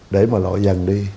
để mà lội dần đi